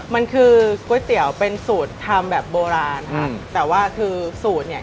มันคือก๋วยเตี๋ยวเป็นสูตรทำแบบโบราณค่ะแต่ว่าคือสูตรเนี่ย